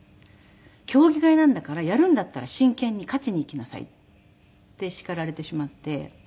「競技会なんだからやるんだったら真剣に勝ちにいきなさい」って叱られてしまって。